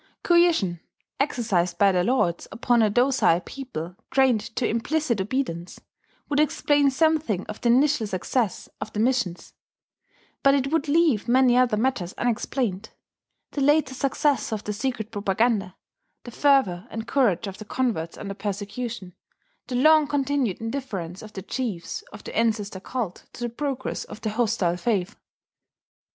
Coercion, exercised by their lords upon a docile people trained to implicit obedience, would explain something of the initial success of the missions; but it would leave many other matters unexplained: the later success of the secret propaganda, the fervour and courage of the converts under persecution, the long continued indifference of the chiefs of the ancestor cult to the progress of the hostile faith....